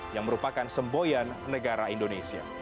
yang merupakan semboyan negara indonesia